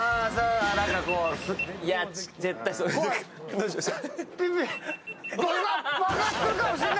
どうしました？